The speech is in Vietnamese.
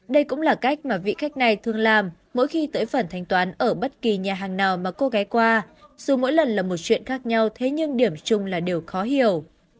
đây cũng là cách mà vị khách này thường làm mỗi khi tới phần thanh toán ở bất kỳ nhà hàng nào mà cô gái qua dù mỗi lần là một chuyện khác nhau thế nhưng điểm chung là điều khó hiểu